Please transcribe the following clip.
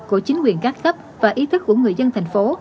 của chính quyền các cấp và ý thức của người dân thành phố